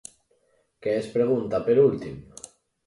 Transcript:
Què es pregunta, per últim?